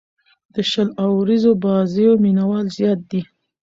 د شل اووريزو بازيو مینه وال زیات دي.